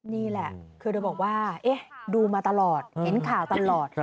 นี่แหละคือเธอบอกว่าดูมาตลอดเห็นข่าวตลอด